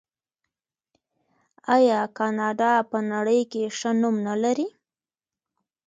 آیا کاناډا په نړۍ کې ښه نوم نلري؟